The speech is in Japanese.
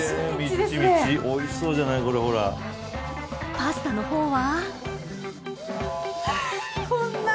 パスタの方は。